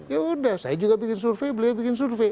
ya udah saya juga bikin survei beliau bikin survei